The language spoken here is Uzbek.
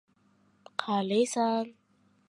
• Bir marta aldagan odamga qayta ishonmaydilar.